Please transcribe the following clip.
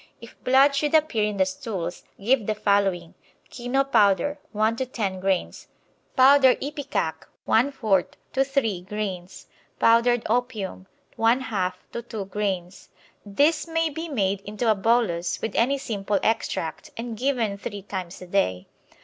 If blood should appear in the stools give the following: Kino powder, 1 to 10 grains; powder ipecac., 1/4 to 3 grains; powdered opium 1/2 to 2 grains. This may be made into a bolus with any simple extract, and given three times a day.